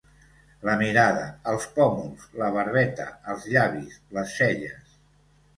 La mirada els pòmuls la barbeta els llavis les celles.